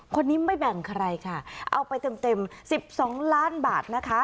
คนนี้ไม่แบ่งใครค่ะเอาไปเต็ม๑๒ล้านบาทนะคะ